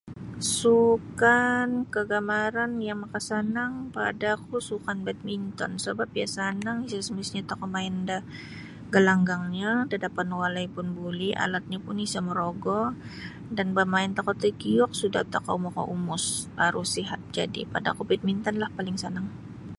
Suukan kagamaran yang makasanang padaku sukan bidminton sabap iyo sanang isa' semestinyo tokou main da galanggangnyo da dapan walai pun buli alatnyo pun isa morogo dan bamain tokou takiuk sudah tokou makaumos tarus sihat pada oku bidmintonlah paling sanang.